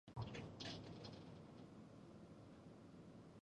په افغانستان کې تالابونه شتون لري.